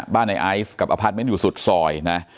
ในไอซ์กับอพาร์ทเมนต์อยู่สุดซอยนะ